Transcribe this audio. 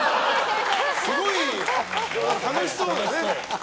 すごい楽しそうだね。